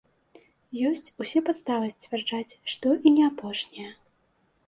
Ёсць усе падставы сцвярджаць, што і не апошняя.